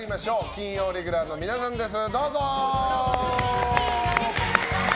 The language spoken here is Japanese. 金曜レギュラーの皆さんです。